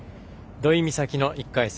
土居美咲の１回戦。